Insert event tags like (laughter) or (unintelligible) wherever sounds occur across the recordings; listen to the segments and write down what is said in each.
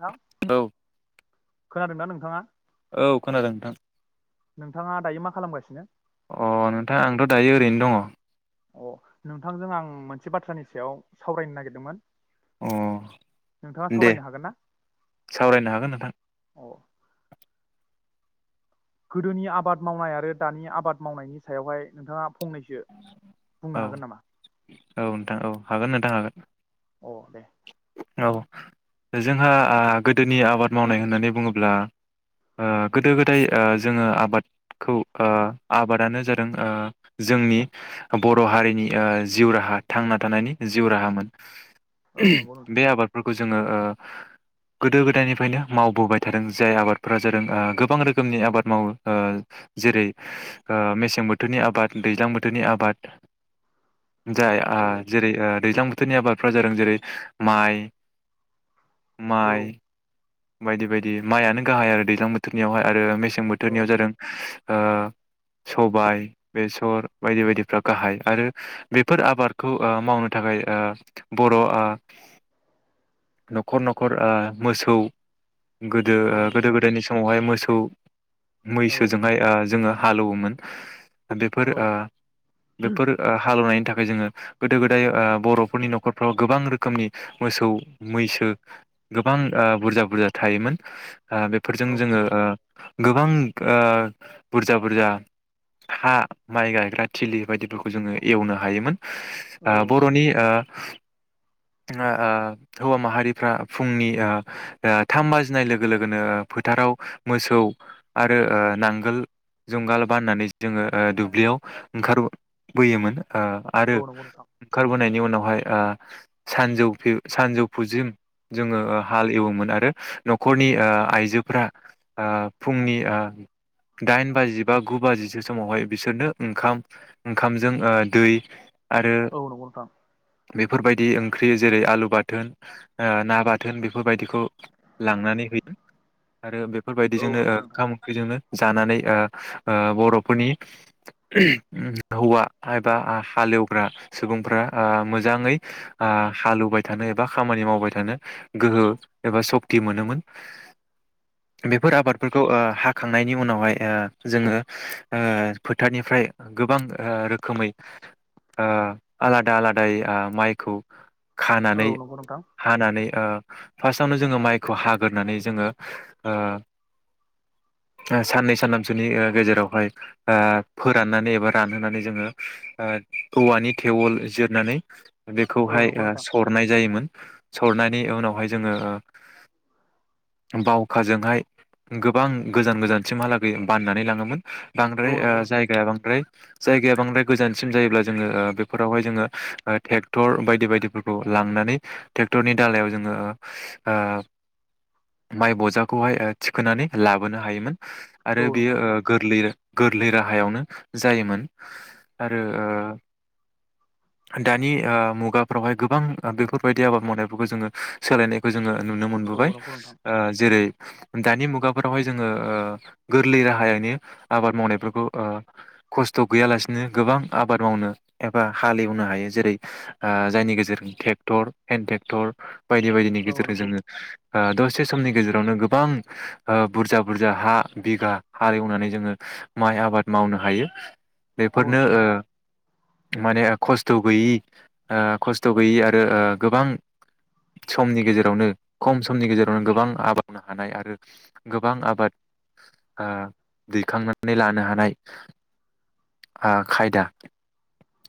नोंथां औ खोनादों ना नोंथाङा? औ खोनादों नोंथां। नोंथाङा दायो मा खालामगासिनो? अ नोंथां आंथ' दायो ओरैनो दङ। अ नोंथांजों आं मोनसे बाथ्रानि सायाव सावरायनो नागिरदोंमोन। अ नोंथाङा दे सावरायनो हागोन ना सावरायनो हागोन नोंथां। अ गोदोनि आबाद मावनाय आरो दानि आबाद मावनायनि सायावहाय नोंथाङा फंनैसो बुंनो औ हागोन नामा औ नोंथां औ हागोन नोंथां हागोन। अ दे औ जोंहा ओ गोदोनि आबाद मावनाय होननानै बुङोब्ला ओ गोदो गोदाय ओ जोङो आबादखौ ओ आबादानो जादों ओ जो जोंनि बर' हारिनि ओ जिउ राहा थांना थानायनि जिउ राहामोन। औ नंगौ (inaudible) नोंथां बे आबार फोर खौ जोङो ओ गोदो गोदायनिफ्रायनो मावबोबाय थादों जाय आबादफोरा जादों ओ गोबां रोखोमनि आबाद मावो ओ जेरै ओ मेसें बोथोरनि आबाद दैज्लां बोथोरनि आबाद जाय आ औ जेरै होन दैज्लां बोथोरनि आबादफ्रा जादों जेरै माइ माइ औ बायदि बायदि माइआनो गाहाय आरो दैज्लां बोथोरनियावहाय आरो मसे मेसें बोथोरनियाव औ जादों ओ सबाय। बेसर बायदि बायदिफ्रा गाहाय आरो बेफोर आबादखौ ओ मावनो थाखाय ओ बर'ओ न'खर न'खर ओ मोसौ गोदो ओ औ नंगौ गोदो नोंथां गोदायनि समावहाय मोसौ औ। औ औ मैसोजोंहाय ओ जोङो हालौवोमोन। बेफोर ओ बेफोर ओ हालेवनायनि थाख फाय जोङो गोदो गोदाय बर'फोरनि न'खरफ्राव गोबां रोखोमनि मोसौ मैसो गोबां ओ बुरजा बुरजा थायोमोन। ओ बेफोरजों औ जोङो नंगौ ओ गोबां ओ बुरजा बुरजा हा माइ गायग्रा थिलि बायदिफोरखौ जोङो एवनो हायोमोन। औ ओ बर'नि ओ जोङो ओ हौवा माहारिफ्रा फुंनि ओ ओ थाम बाजिनाय लोगो लोगोनो फोथाराव मोसौ आरो ओ नांगोल जुंगाल बाननानै जो जोङो ओ दुब्लियाव ओंखार बोयोमोन। ओ आरो औ नंगौ नोंथां ओंखारबोनायन इयुनावहाय ओ सानजौफिउ सानजौफुजों जोङो ओ हाल एवोमोन आरो न'खरनि ओ आइजोफोरा ओ फुंनि ओ दाइन बाजि बा गु बाजिसो समावहाय बिसोरनो ओंखाम ओंखामजों ओ दै आरो औ नंगौ नोंथां बिब बेफोरबायदि ओंख्रि जेरै आलु बाथोन ना बाथोन बेफोरबायदिखौ लांनानै है आरो बेफ औ बेफोरबायदिजोंनो ओ ओंखाम ओंख्रिजोंनो जानानै ओ ओ बर'फ फोरनि हौवा एबा आ हालेवग्रा सुबुंफ्रा ओ मोजाङै हालेवबाय थानो एबा खामानि मावबाय थानो गोहो एबा सक्ति मोनोमोन बेफोर आबादफोरखौ ओ हाखांनायनि उनावहाय जोङो ओ फोथारनिफ्राय गोबां रोखोमै ओ आलादा आलादायै ओ माइखौ खानानै नंगौ नोंथां हानानै ओ फास्टआवनो जोङो माइखौ हाग्रोनानै जोङो ओ साननै सानथामसोनि ओ गेजेरावहाय ओ फोराननानै एबा रानहोनानै जोङो ओ औवानि थेवल जिरनानै औ बेखौहाय नंगौ ओ नोंथां सरनाय जायोमोन। सरनायनि उनावहाय जोङो बावखाजोंहाय गोबां गोजान गोजानसिमहालागै बाननानै लाङोमोन। औ बांद्राय नंगौ ओ नोंथां जायगाया बांद्राय जायगाया बांद्राय गोजानसिम जायोब्ला जोङो ओ बेफोरावहाय जोङो ओ ट्रेक्टर बायदि बायदिफोरखौ लांनानै ट्रेक्टरनि दालायाव जोङो ओ माइ बजाखौहाय थिखोनानै लाबोनो हायोमोन। आरो औ बेयो नंगौ नोंथां ओ गोरलैयो। गोरलै राहायावनो जायोमोन आरो ओ दानि ओ मुगाफ्रावहाय गोबां बेफोरबायदि आबाद मावनायफोरखौ जोङो सोलायनायखौ जोङो नुनो औ मोनबोबाय नंगौ नोंथां ओ जेरै दानि मुगाफोरावहाय जोङो ओ गोरलै राहायानि आबाद मावनायफोरखौ खस्थ' गैयालासिनो गोबां आबाद मावनो एबा हालेवनो हायो जेरै ओ जायनि गेजेरजों ट्रेक्टर हेन्द ट्रेक्टर बायदि बायदिनि औ नंगौ नोंथां औ गेजेरजों नंगौ जोङो ओ दस से समनि गेजेरावनो गोबां ओ बुरजा बुरजा हा बिघा हा एवनानै जोङो माइ आबाद मावनो हायो। औ बेफोरनो नंगौ ओ नोंथां माने खस्थ' गैयि ओ खस्थ' गैयि आरो ओ गोबां समनि गेजेरावनो खम समनि गेजेरावनो गोबां आबाद मावनो हानाय आरो गोबां आबाद आ दैखांनो नानै लानो हानाय ओ खायदा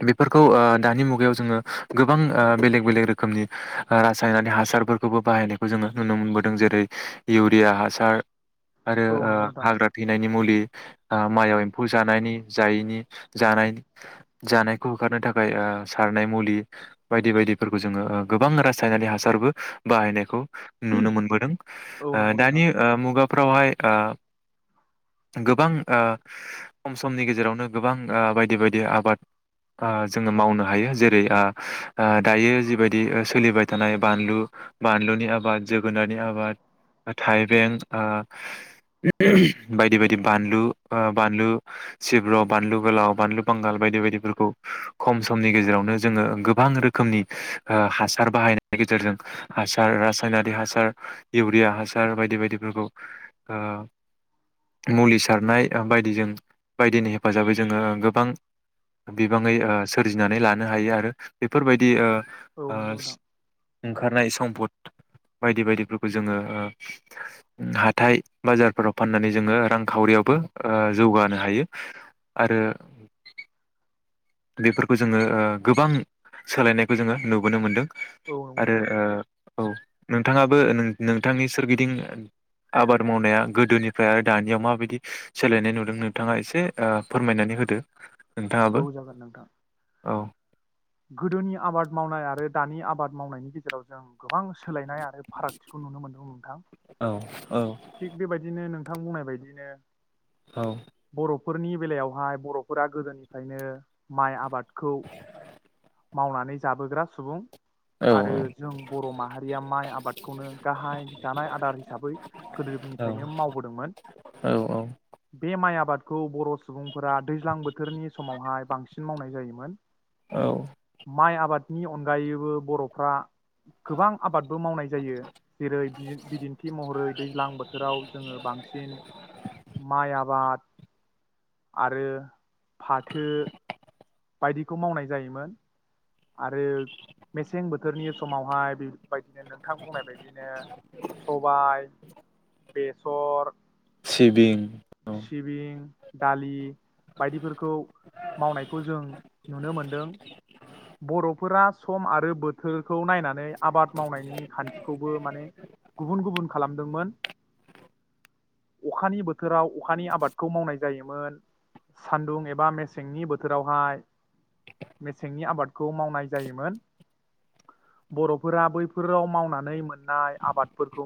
बेफोरखौ ओ दानि मुगायाव जोङो गोबां ओ बेलेग बेलेग रोखोमनि रासायनारि हासारफोरखौबो बाहायनायखौ जोङो नुनो मोनबोदों जेरै इउरिया हासार आरो औ ओ नंगौ नोंथां हाग्रा थैनायनि मुलि ओ माइआव एम्फौ जानायनि जायैनि जानायनि जानायखौ होखारनो थाखाय सारनाय मुलि बायदि बायदिफोरखौ जोङो गोबां रासायनारि हासारबो बाहायनायखौ नुनो मोनबोदों औ नंगौ नोंथां दानि मुगाफ्रावहाय ओ गोबां ओ खम समनि गेजेरावनो ओ गोबां बायदि बायदि आबाद जोङो मावनो हायो जेरै दायो जिबायदि सोलिबाय ओ थानाय बानलु बानलुनि आबाद जोगोनारनि आबाद थाइबें ओ बायदि बायदि बानलु बानलु सिब्र' बानलु गोलाव बानलु बांगाल बायदि बायदिफोरखौ खम समनि गेजेरावनो जोङो गोबां रोखोमनि हासार बाहायनायनि गेजेरजों हासार रासायनारि हासार इउरिया हासार बायदि बायदिफोरखौ ओ मुलि सारनाय बायदिजों बायदिनि हेफाजाबै जोङो गोबां बिबाङै सोरजिनानै लानो हायो आरो बेफोरबायदि ओ औ ओ नंगौ नोंथां ओंखारनाय सम्पद बायदि बायदिफोरखौ जोङो हाथाय बाजारफोराव फाननानै जोङो रांखावरियावबो जौगानो हायो आरो बेफोरखौ जोङो ओ गोबां सोलायनायखौ जोङो नुबोनो मोनदों औ नंगौ आरो नोंथां ओ औ नोंथाङाबो नोंथांनि सोरगिदिं आबाद मावनाया गोदोनिफ्राय आरो दानियाव माबायदि सोलायनाय नुदों नोंथाङा एसे फोरमायनानै होदो नोंथाङाबो औ‌ जागोन नोंथां (inaudible) औ गोदोनि आबाद मावनाय आरो दानि आबाद मावनायनि गेजेराव जों गोबां सोलायनाय आरो फारागथिखौ नुनो मोनदों नोंथां औ औ थिग बेबायदिनो नों थां बुंनाय बायदिनो औ फोरनि बेलायावहाय बर'फोरा गोदोनिफ्रायनो माइ आबादखौ मावनानै जाबोग्रा सुबुं आरो जों बर' माहारिया माइ आबादखौनो गाहाय जानाय आदार हिसाबै गोदोनिफ्रायनो मावबोदोंमोन औ बे माइया आबादखौ बर' सुबुंफोरा दैज्लां बोथोरनि समावहाय बांसिन मावनाय जायोमोन औ माइ आबादनि अनगायैबो बर'फ्रा गोबां आबादबो मावनाय जायो जेरै बिदिन्थि महरै दैज्लां बोथोराव जोङो बांसिन माइ आबाद आरो फाथो बायदिखौ मावनाय जायोमोन आरो मेसें मेसें बोथोरनि समावहाय बेबायदिनो नोंथां बुंनाय बदिनो सबाय बेसर सिबिं औ सिबिं दालि बायदिफोरखौ मावनायखौ जों नुनो मोनदों बर'फोरा सम आरो बोथोरखौ नायनानै आबाद मावनायनि खान्थिखौबो माने गुबुन गुबुन खालामदोंमोन अखानि बोथोराव अखानि आबादखौ मावनाय जायोमोन सानदुं एबा मेसेंनि बोथोरावहाय मेसेंनि आबाद खौ मावनाय जायोमोन बर'फोरा बैफोराव मावनानै मोननाय आबादफोरखौ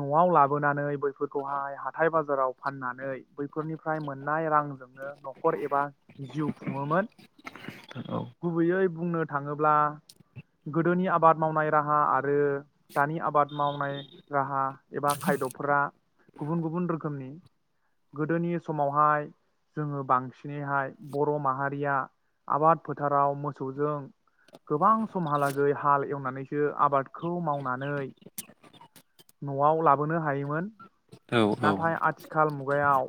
न'आव लाबोनानै बैफोरखौहाय हाथाय बाजाराव फाननानै बैफोरनिफ्राय मोननाय रांजोंनो न'खर एबा जिउ खुङोमोन सिबिं औ गुबैयै बुंनो थाङोब्ला गोदोनि आबाद मावनाय राहा आरो दानि आबाद मावनाय राहा एबा खायद'फोरा गुबुन गुबुन रोखोमनि गोदोनि समावहाय जोङो बांसिनैहाय बर' माहारिया आबाद फोथाराव मोसौजों गोबां समहालागै हाल एवनानैसो आबादखौ मावनानै न'आव लाबोनो हायोमोन। औ नाथाय आथिखाल मुग खुगायाव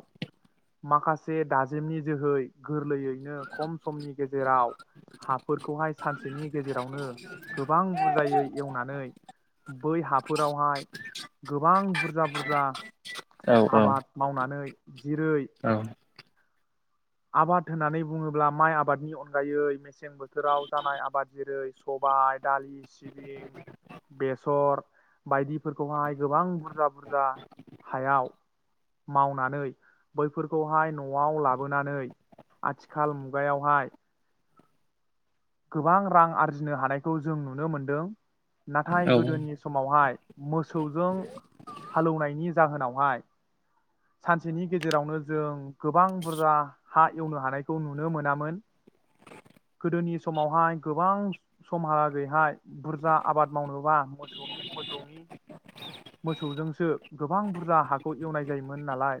माखासे दाजेमनि जोहै गोरलैैयैनो खम समनि गेजेराव हाफोरखौहाय सानसेनि गेजेरावनो गोबां बुरजायै एवनानै बै हाफोरावहाय गोबां बुरजा बुरजा औ औ। आबाद मावनानै जेरै औ आबाद होननानै बुङोब्ला माइ आबाद नि अनगायै मेसें बोथोराव जानाय आबाद जेरै सबाय दालि सिबिं बेसर बायदिफोरखौहाय गोबां बुरजा बुरजा हायाव मावनानै बैफोरखौहाय न'आव लाबोनानै आथिखाल मुगायावहाय। गोबां रां आरजिनो हानायखौ जों नुनो मोनदों। नाथाय गोदोनि समावहाय मोसौजों हालौवनायनि जाहोनावहाय सानसेनि गेजेरावनो जों गोबां बुरजा हा एवनो हानायखौ नुनो मोनामोन गोदोनि समावहाय गोबां समहालागैहाय बुरजा आबाद मावनोबा मोसौनि मोसौनि मोसौजोंसो गोबां बुरजा हाखौ एवनाय जायोमोन नालाय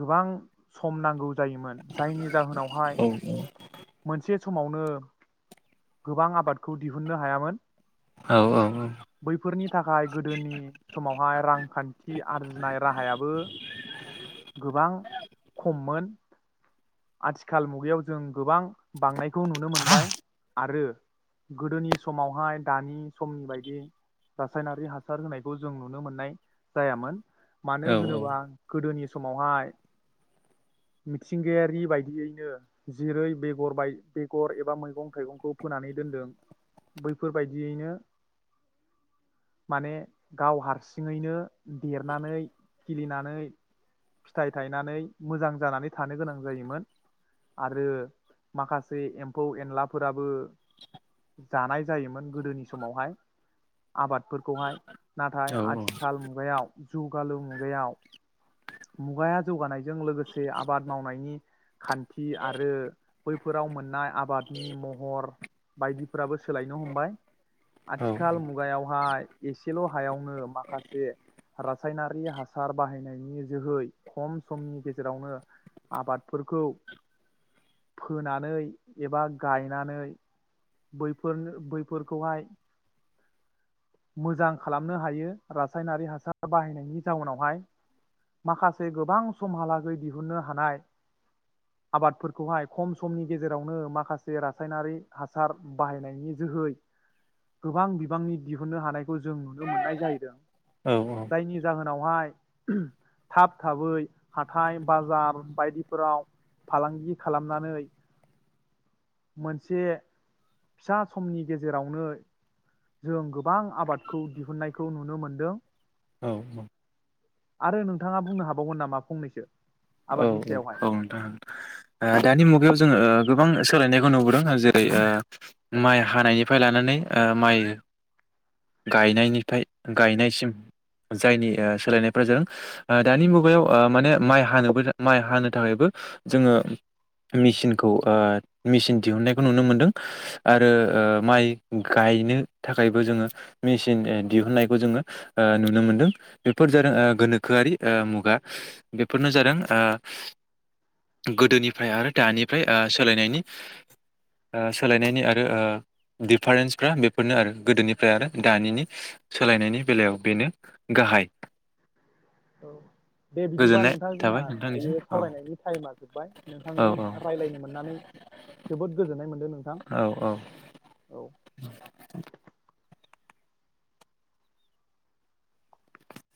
गोबां सम नांगौ जायोमोन जायनि जाहोनावहाय मोनसे समावनो गोबां आबादखौ दिहुननो हायोन औ बैफोरनि थाखाय गोदोनि समावहाय रांखान्थि आरजिनाय राहायाबो गोबां खममोन आथिखाल मुगायाव जों गोबां बांनायखौ नुनो मोनबाय आरो गोदोनि समावहाय दानि समनि बायदि रासायनारि हासार होनायखौ जों नुनो मोननाय जायामोन मानो होनोबा गोदोनि समावहाय मिथिंगायारि बायदियैनो जेरै बेगर बाय बेगर एबा मैगं थाइगंखौ फोनानै दोनदों बैफोरबायदियैनो माने गाव हारसिङैनो देरनानै खिलिनानै फिथाइ थायनानै मोजां जानानै थानो गोनां जायोमोन आरो माखासे एम्फौ एनलाफोराबो जानाय जायोमोन गोदोनि समावहाय आबादफोरखौहाय नाथाय आथिखाल मुगायाव जुगालु मुगायाव मुगाया जौगानायजों लोगोसे आबाद मावनायनि खान्थि आरो बैफोराव मोननाय आबादनि महर बायदिफोराबो सोलायनो हमबाय आथिखाल मुगायावहाय एसेल' हायावनो माखासे रासायनारि हासार बाहायनायनि जोहै खम समनि गेजेरावनो आबादफोरखौ फोनानै एबा गायनानै बैफोरनो बैफोरखौहाय मोजां खालामनो हायो रासायनारि हासार बाहायनायनि जाउनावहाय माखासे गोबां समहालागै दिहुननो हानाय आबादफोरखौहाय खम समनि गेजेरावनो माखासे रासायनारि हासार बाहायनायनि जोहै गोबां बिबांनि दिहुनन्नो हानायखौ जों नुनो मोननाय जाहैदों। औ औ। जायनि जाहोनावहाय थाब थाबै हाथाय बाजार बायदिफोराव फालांगि खालामनानै मोनसे फिसा समनि गेजेरावनो जों गोबां आबादखौ दिहुननायखौ नुनो मोनदों औ आरो नोंथाङा बुंनो हाबावगोन नामा फंनैसो आबादनि औ सायावहाय औ नोंथां ओ दानि मुगायाव जोङो गोबां सोलायनायखौ नुबोदों जेरै ओ माइ हानायनिफ्राय लानानै ओ माइ गायनायनिफ्राय गायनायसिम जायनि ओ सोलायनायफ्रा जों ओ दानि मुगायाव ओ माने माइ हानोबो माइ हानो थाखायबो जोङो मेचिनखौ ओ मेचन दिहुनन्नायखौ नुनो मोनदों आरो ओ माइ गायनो थाखायबो जोङो मेचन दिहुननायखौ जोङो ओ नुनो मोनदों बेफोर जादों ओ गोनोखोआरि ओ मुगा बेफोरनो जादों ओ गोदोनि फ्राय आरो दानिफ्राय ओ सोलायनायनि ओ सोलायनायनि आरो ओ दिडिफारेन्सफ्रा बेफोरनो आरो गोदोनिफ्राय आरो दानिनि सोलायनायनि बेलायाव बेनो गाहाय। औ दे बिदिबा गोजोननाय नोंथां जोंहा थाबाय नोंथांनिसिम दायो औ सावरायनायनि टाइमा जोब्बाय। औ नोंथांजों औ रायज्लायनो मोननानै जोबोद गोजोन (unintelligible) नोंथां औ औ औ।